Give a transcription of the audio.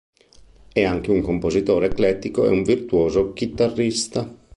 È anche un compositore eclettico e un virtuoso chitarrista.